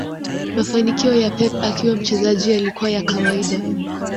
mafanikio ya Pep akiwa mchezaji yalikuwa ya kawaida